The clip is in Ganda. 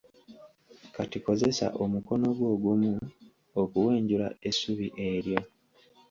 Kati kozesa omukono gwo ogumu okuwenjula essubi eryo.